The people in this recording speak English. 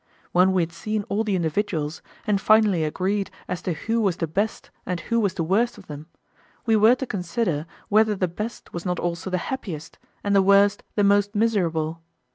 When we had seen all the individuals, and finally agreed as to who was the best and who was the worst of them, we were to consider whether the best was not also the happiest, and the worst the most miserable.